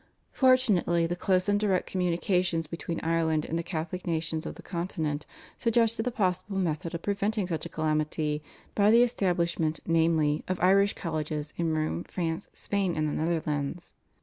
Fortunately the close and direct communication between Ireland and the Catholic nations of the Continent suggested a possible method of preventing such a calamity, by the establishment, namely, of Irish colleges in Rome, France, Spain, and the Netherlands.